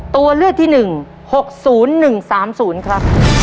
ตัวเลือกที่หนึ่ง๖๐๑๓๐ค่ะ